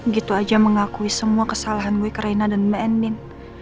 gitu aja mengakui semua kesalahan gue ke reina dan mbak andin